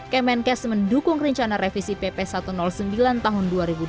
kemenkes mendukung rencana revisi pp satu ratus sembilan tahun dua ribu dua puluh